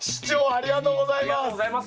ありがとうございます。